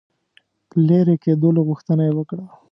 لیري کېدلو غوښتنه یې وکړه.